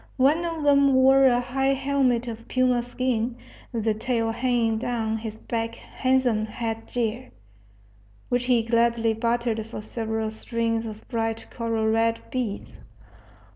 One of them wore a high helmet of puma skin, with the tail hanging down his back handsome head gear, which he gladly bartered for several strings of bright coral red beads.